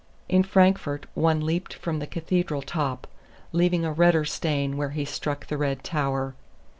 In Frankfort one leaped from the Cathedral top, leaving a redder stain where he struck the red tower.